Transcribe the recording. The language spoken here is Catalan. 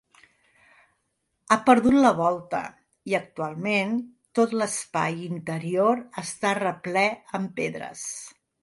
Ha perdut la volta i, actualment, tot l'espai interior està replè amb pedres.